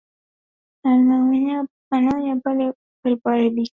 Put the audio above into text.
Anaonya pale ukweli unapoharibiwa demokrasia nayo huharibiwa